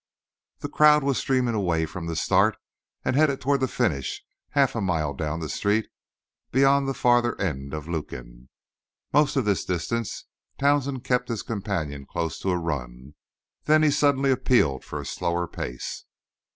The crowd was streaming away from the start, and headed toward the finish half a mile down the street beyond the farther end of Lukin. Most of this distance Townsend kept his companion close to a run; then he suddenly appealed for a slower pace.